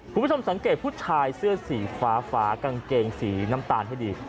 คุณผู้ชมสังเกตผู้ชายเสื้อสีฟ้าฟ้ากางเกงสีน้ำตาลให้ดี